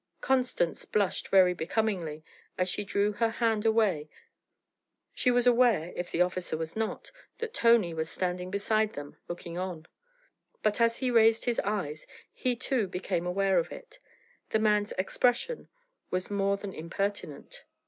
Constance blushed very becomingly as she drew her hand away; she was aware, if the officer was not, that Tony was standing beside them looking on. But as he raised his eyes, he too became aware of it; the man's expression was more than impertinent.